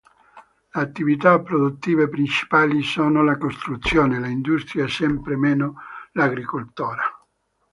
Le attività produttive principali sono la costruzione, l'industria e sempre meno l'agricoltura.